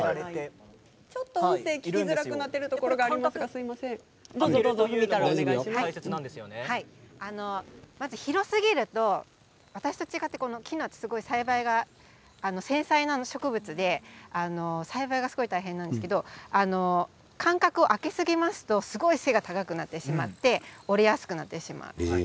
ちょっと音声が聞きづらくなっているところがまず広すぎると私と違って、このキヌアって繊細な植物なので栽培がすごく大変なんですけど間隔が空きすぎますとすごく背が高くなって折れやすくなってしまいます。